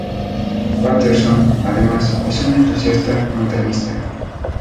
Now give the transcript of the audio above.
Paterson, además, es un entusiasta montañista.